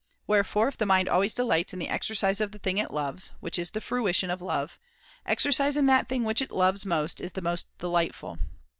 Wherefore if the mind always delights in the exercise of the thing it loves (which is the fruition of love), exercise in that thing which it loves most is the most delightful.